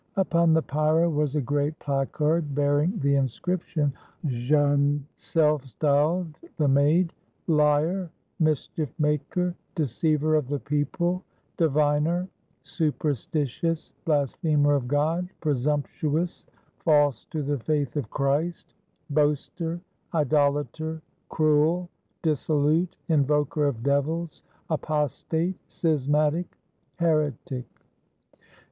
Upon the pyre was a great placard, bearing the inscription: "Jeanne, self styled the Maid, Har, mischief maker, de ceiver of the people, diviner, superstitious, blasphemer of God, presumptuous, false to the faith of Christ, 194 THE DEATH OF JEANNE D'ARC boaster, idolater, crael, dissolute, invoker of devils, apostate, schismatic, heretic."